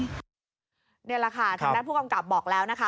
นี่แหละค่ะทางด้านผู้กำกับบอกแล้วนะคะ